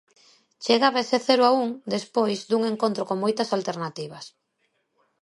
Chegaba ese cero a un despois dun encontro con moitas alternativas.